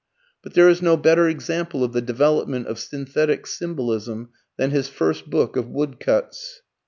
But there is no better example of the development of synthetic symbolism than his first book of woodcuts.